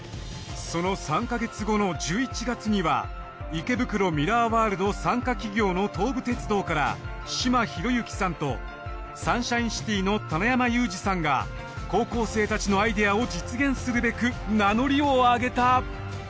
その３か月後の１１月には池袋ミラーワールド参加企業の東武鉄道から島宏之さんとサンシャインシティの棚山裕司さんが高校生たちのアイデアを実現するべく名乗りを上げた。